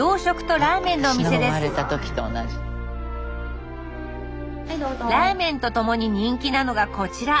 ラーメンと共に人気なのがこちら！